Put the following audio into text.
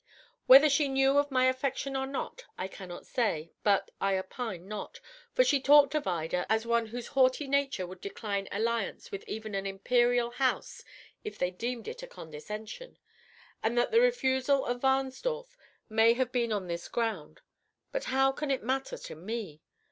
Whether she knew of my affection or not, I cannot say; but I opine not, for she talked of Ida as one whose haughty nature would decline alliance with even an imperial house if they deemed it a condescension; so that the refusal of Wahnsdorf may have been on this ground. But how can it matter to _me?